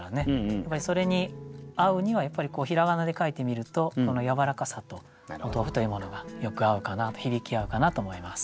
やっぱりそれに合うにはひらがなで書いてみるとこのやわらかさとお豆腐というものがよく合うかなと響き合うかなと思います。